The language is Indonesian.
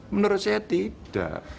menurut saya tidak